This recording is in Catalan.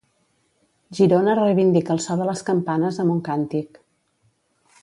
Girona reivindica el so de les campanes amb un càntic.